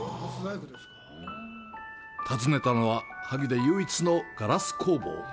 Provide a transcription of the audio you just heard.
訪ねたのは、萩で唯一のガラス工房。